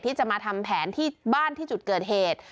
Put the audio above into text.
ที่จะมาทำแผนที่บ้านที่จุดเกิดเหตุ